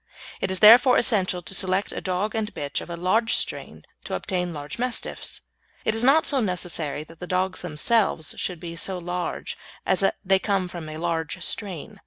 It is therefore essential to select a dog and bitch of a large strain to obtain large Mastiffs. It is not so necessary that the dogs themselves should be so large as that they come from a large strain.